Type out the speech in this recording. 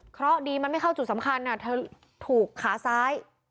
เพราะดีมันไม่เข้าจุดสำคัญเธอถูกขาซ้าย